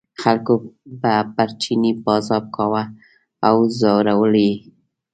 خلکو به پر چیني پازاب کاوه او ځورول یې.